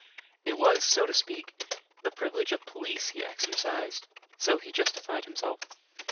It was, so to speak, the privilege of police he exercised, so he justified himself.